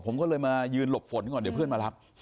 ผมก็เลยมายืนหลบฝนก่อนเดี๋ยวเพื่อนมารับ